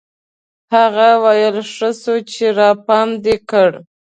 هغه ويل ښه سو چې راپام دي کړ.